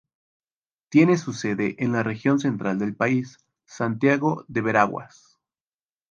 Tiene su sede en la región central del país, Santiago de Veraguas.